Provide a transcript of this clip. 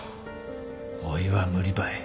おいは無理ばい。